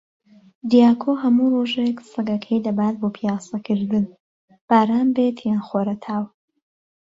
دیاکۆ هەموو ڕۆژێک سەگەکەی دەبات بۆ پیاسەکردن، باران بێت یان خۆرەتاو.